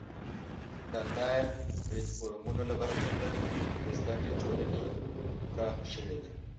د آنلاین پلتفورمونو له برکته د زده کړې ټولنې پراخه شوې ده.